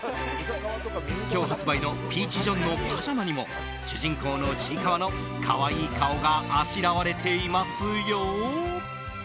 今日発売のピーチ・ジョンのパジャマにも主人公のちいかわの可愛い顔があしらわれていますよ。